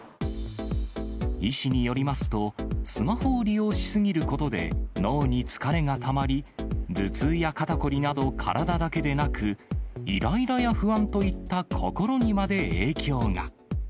医師によりますと、スマホを利用し過ぎることで、脳に疲れがたまり、頭痛や肩凝りなど、体だけでなく、いらいらや不安といった心にまで影響が。